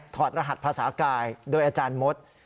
รหัสภาษากายโดยอาจารย์มด